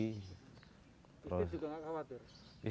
istri juga nggak khawatir